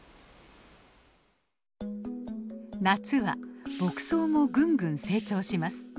夏は牧草もぐんぐん成長します。